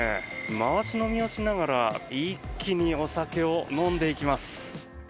回し飲みをしながら一気にお酒を飲んでいきます。